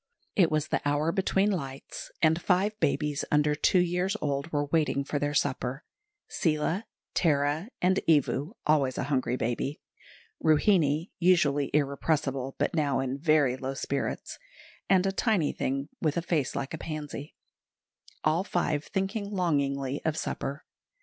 It was the hour between lights, and five babies under two years old were waiting for their supper Seela, Tara, and Evu (always a hungry baby), Ruhinie, usually irrepressible, but now in very low spirits, and a tiny thing with a face like a pansy all five thinking longingly of supper.